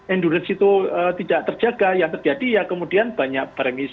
endurance itu tidak terjaga yang terjadi ya kemudian banyak beremis